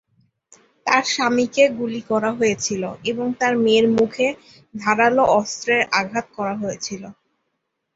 তার স্বামীকে গুলি করা হয়েছিল এবং তার মেয়ের মুখে ধারালো অস্ত্রের আঘাত করা হয়েছিল।